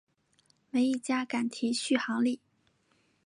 没一家敢提续航力